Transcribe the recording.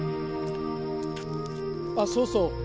あっそうそう。